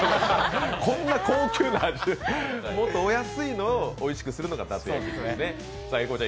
こんな高級な味じゃない、もっとお安いのをおいしくするのが伊達焼きですね。